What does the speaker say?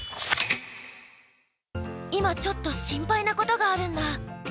今ちょっと心配なことがあるんだ。